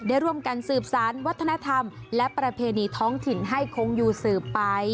ได้ร่วมกันสืบสารวัฒนธรรมและประเพณีท้องถิ่นให้คงอยู่สืบไป